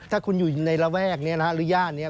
ถ้าคุณอยู่ในระแวกหรือย่านนี้